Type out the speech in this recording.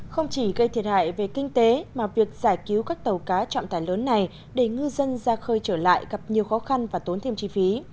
không chỉ gây thiệt hại về kinh tế mà việc giải cứu các tàu cá trọng tài lớn này để ngư dân ra khơi trở lại gặp nhiều khó khăn và tốn thêm chi phí